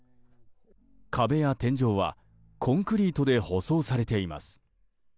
壁や天井はコンクリートで舗装されています。